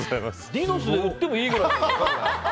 ディノスで売ってもいいぐらい。